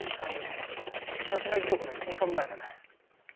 殺害時刻の１時間前だね。